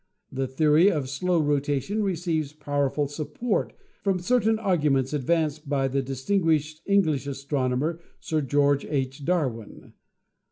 The theory of slow rotation receives powerful support from certain arguments advanced by the distinguished English astronomer, Sir George H. Darwin.